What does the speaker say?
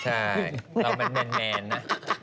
ใช่เราเป็นแมนนะ